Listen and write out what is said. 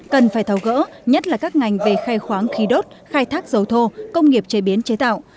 cần phải thầu gỡ nhất là các ngành về khai khoáng khí đốt khai thác dầu thô công nghiệp chế biến chế tạo